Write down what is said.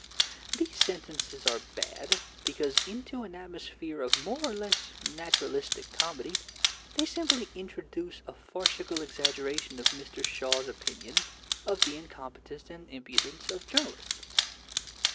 These sentences are bad because into an atmosphere of more or less naturalistic comedy they simply introduce a farcical exaggeration of Mr. Shaw's opinion of the incompetence and impudence of journalists.